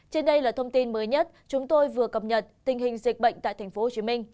trên đây là thông tin mới nhất chúng tôi vừa cập nhật tình hình dịch bệnh tại tp hcm